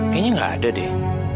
kayaknya gak ada deh